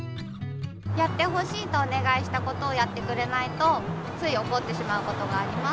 やってほしいとおねがいしたことをやってくれないとついおこってしまうことがあります。